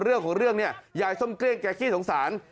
เรื่องของเรื่องเนี่ยยายส้มเกลี้ยแกขี้สงสาร